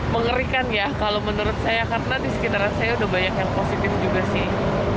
mengerikan ya kalau menurut saya karena di sekitaran saya udah banyak yang positif juga sih